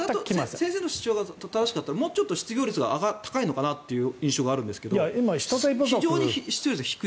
先生の主張が正しかったらもうちょっと失業率が高いのかなという気がするんですが非常に失業率が低い。